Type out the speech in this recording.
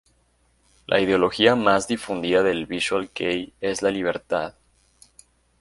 La ideología más difundida del Visual kei es la libertad.